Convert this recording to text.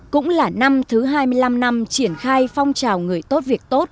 cũng là năm thứ hai mươi năm năm triển khai phong trào người tốt việc tốt